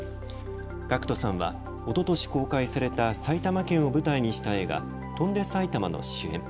ＧＡＣＫＴさんはおととし公開された埼玉県を舞台にした映画、翔んで埼玉の主演。